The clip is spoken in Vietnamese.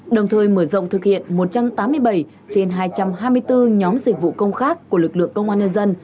đồng thời mở rộng thực hiện một trăm tám mươi bảy trên hai trăm hai mươi bốn nhóm dịch vụ công khác của lực lượng công an nhân dân